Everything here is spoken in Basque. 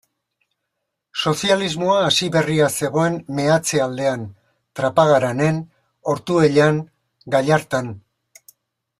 Sozialismoa hasi berria zegoen meatze-aldean, Trapagaranen, Ortuellan, Gallartan.